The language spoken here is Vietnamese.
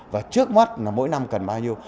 và trước mắt là mỗi năm cần bao nhiêu